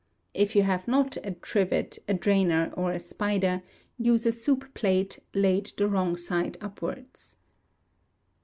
If yeu have not a trivet, a drainer, or a "spider," use a soup plate laid the wrong side upwards.